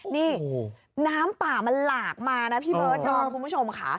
นี่น้ำป่ามันหลากมานะพี่เบิร์ดดอมคุณผู้ชมค่ะ